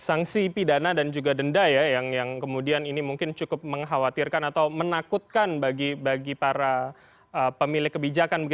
sanksi pidana dan juga denda ya yang kemudian ini mungkin cukup mengkhawatirkan atau menakutkan bagi para pemilik kebijakan